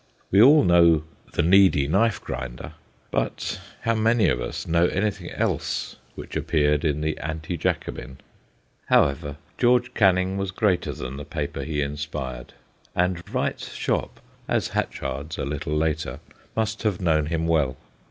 We all know ' The Needy Knife grinder,' but how many of us know anything else which appeared in the Anti Jacobin 1 However, George Canning was greater than the paper he inspired, and Wright's shop (as Hatchard's a little later) must have known him well.